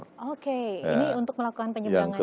ini untuk melakukan penyeberangan ya